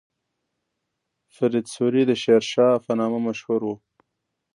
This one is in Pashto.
فرید سوري د شیرشاه په نامه مشهور و.